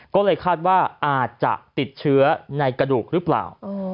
ก็เลยคาดว่าอาจจะติดเชื้อในกระดูกหรือเปล่า